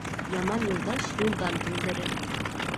Яман юлдаш юлдан түндерер.